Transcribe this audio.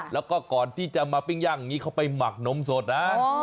แล้วก็ก่อนที่จะมาปิ้งยั่งเขาไปหมักนมสดนะ